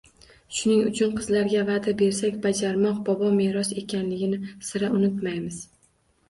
Shuning uchun qizlarga va’da bersak bajarmoq bobo meros ekanligini sira unutmaymiz.